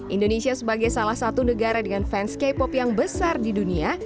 indonesia sebagai salah satu negara dengan fans k pop yang besar di dunia